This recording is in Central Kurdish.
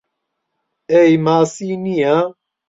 ئەی ماسی نییە؟